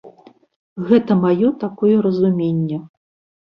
Гэта маё такое разуменне.